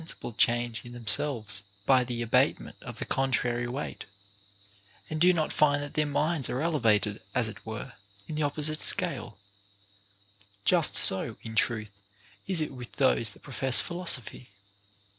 447 sible change in themselves by the abatement of the con trary weight, and do not find that their minds are elevated, as it were, in the opposite scale ; just so, in truth, is it with those that profess philosophy.